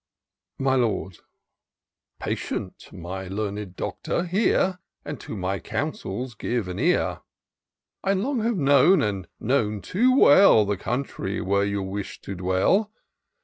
My Lord. " Patient, my learned Doctor, hear ; And to my counsels give an ear : I long have known, and known too well. The country where you wish to dwell.